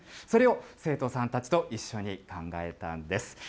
それを生徒さんたちと一緒に考えたんです。